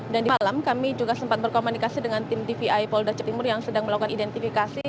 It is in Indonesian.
dan di malam kami juga sempat berkomunikasi dengan tim dvi polda cepetimur yang sedang melakukan identifikasi